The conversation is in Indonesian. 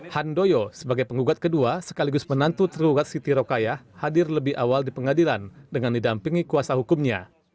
handoyo sebagai penggugat kedua sekaligus menantu tergugat siti rokayah hadir lebih awal di pengadilan dengan didampingi kuasa hukumnya